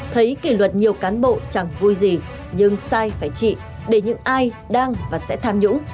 thấy kỷ luật nhiều cán bộ chẳng vui gì nhưng sai phải trị để những ai đang và sẽ tham nhũng